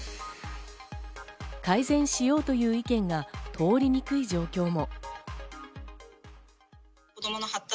改善しようという意見が通りにくい状況も。